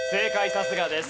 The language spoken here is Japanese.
さすがです。